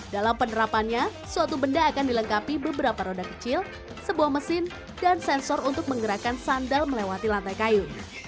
dalam penerapannya suatu benda akan dilengkapi beberapa roda kecil sebuah mesin dan sensor untuk menggerakkan sandal melewati lantai kayu